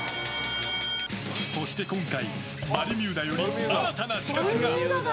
そして今回、バルミューダより新たな刺客が。